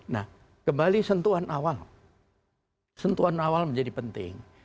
nah kembali sentuhan awal sentuhan awal menjadi penting